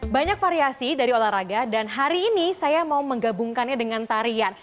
banyak variasi dari olahraga dan hari ini saya mau menggabungkannya dengan tarian